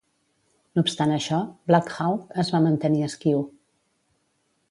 No obstant això, Black Hawk es va mantenir esquiu.